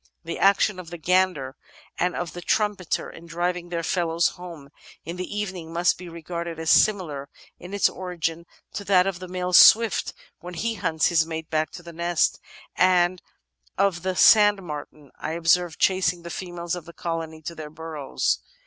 "The action of the gander and Natural History 415 of the trumpeter in driving their fellows home in the evening must be regarded as similar in its origin to that of the male swift, when he hunts his mate back to the nest, and of the sand martin I ob served chasing the females of the colony to their burrows.